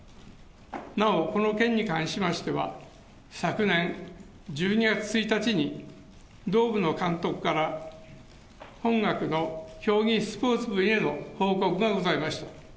なお、この件に関しましては、昨年１２月１日に、同部の監督から本学の競技スポーツ部への報告がございました。